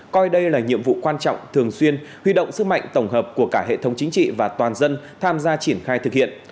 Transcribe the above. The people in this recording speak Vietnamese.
coi đây là nhiệm vụ quan trọng thường xuyên huy động sức mạnh tổng hợp của cả hệ thống chính trị và toàn dân tham gia triển khai thực hiện